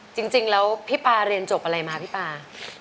จริงแล้วพี่ปาเรียนจบอะไรมาพี่ปลา